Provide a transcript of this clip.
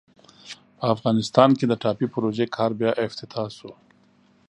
په افغانستان کې د ټاپي پروژې کار بیا افتتاح سو.